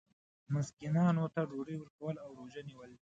مسکینانو ته ډوډۍ ورکول او روژه نیول دي.